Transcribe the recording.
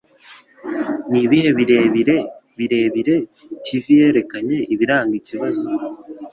Nibihe birebire birebire Tv Yerekana Ibiranga Ikibazo